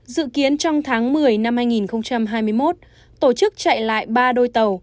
dự kiến trong tháng một mươi năm hai nghìn hai mươi một tổ chức chạy lại ba đôi tàu